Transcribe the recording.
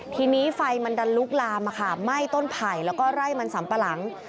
ทีนี้ไฟมันดันลุกลามไหม้ต้นไผ่แล้วก็ไร่มันสัมปะหลัง